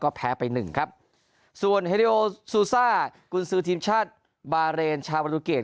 แพ้ไปหนึ่งครับส่วนเฮริโอซูซ่ากุญซือทีมชาติบาเรนชาวบริเกต